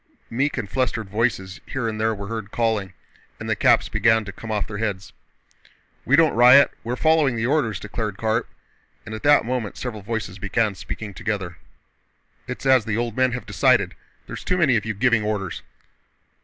meek and flustered voices here and there were heard calling and caps began to come off their heads. "We don't riot, we're following the orders," declared Karp, and at that moment several voices began speaking together. "It's as the old men have decided—there's too many of you giving orders."